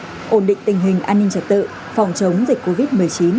ổn định tình hình an ninh trật tự phòng chống dịch covid một mươi chín